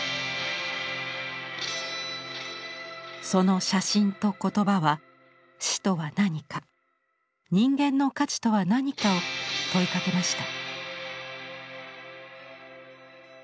その写真と言葉は死とは何か人間の価値とは何かを問いかけました。